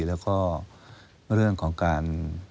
แล้วก็เรื่องของการ